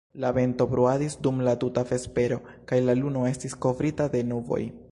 La vento bruadis dum la tuta vespero, kaj la luno restis kovrita de nuboj.